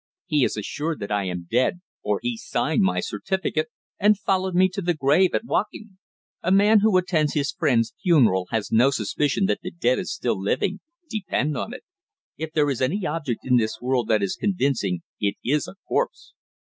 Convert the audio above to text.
He is assured that I am dead, for he signed my certificate and followed me to my grave at Woking. A man who attends his friend's funeral has no suspicion that the dead is still living, depend upon it. If there is any object in this world that is convincing it is a corpse."